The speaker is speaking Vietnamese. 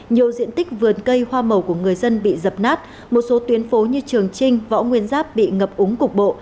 nhiều diện tích vườn cây hoa màu của người dân bị dập nát một số tuyến phố như trường trinh võ nguyên giáp bị ngập úng cục bộ